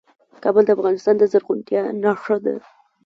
کابل د افغانستان د زرغونتیا نښه ده.